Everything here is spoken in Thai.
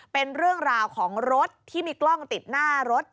เป็นเรื่องราวของรถที่มีกล้องติดหน้ารถ